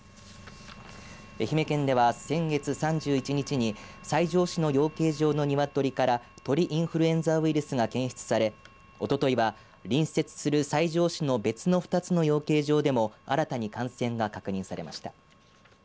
愛媛県では、先月３１日に西条市の養鶏場のニワトリから鳥インフルエンザウイルスが検出されおとといは隣接する西条市の別の２つの養鶏場でも新たに感染が確認されました。